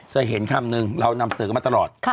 จะเห็นคำนึงเรานำเสนอกันมาตลอด